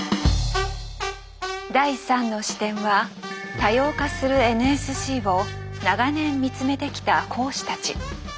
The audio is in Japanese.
第３の視点は多様化するＮＳＣを長年見つめてきた講師たち。